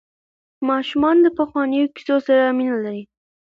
ماشومان د پخوانیو کیسو سره مینه لري.